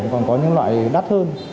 còn có những loại đắt hơn